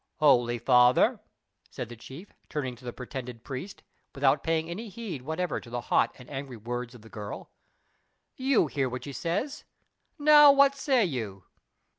"Holy father," said the chief, turning to the pretended priest, without paying any heed whatever to the hot and angry words of the girl, "you hear what she says. Now what say you?"